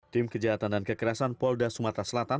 tim kejahatan dan kekerasan polda sumatera selatan